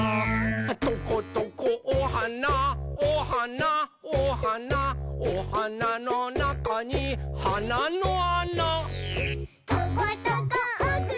「トコトコおはなおはなおはなおはなのなかにはなのあな」「トコトコおくちおくち